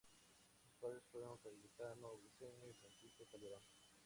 Sus padres fueron Cayetano Briseño y Francisca Calderón.